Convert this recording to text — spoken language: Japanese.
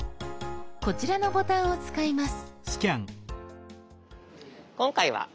こちらのボタンを使います。